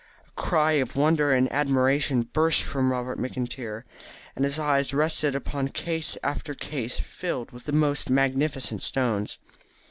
A cry of wonder and of admiration burst from Robert McIntyre, as his eyes rested upon case after case filled with the most magnificent stones.